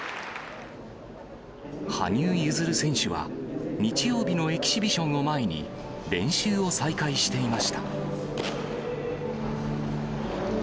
羽生結弦選手は、日曜日のエキシビションを前に、練習を再開していました。